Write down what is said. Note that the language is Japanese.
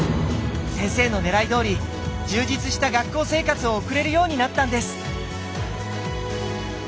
先生のねらいどおり充実した学校生活を送れるようになったんです。